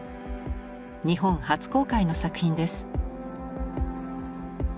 日本初公開の作品です。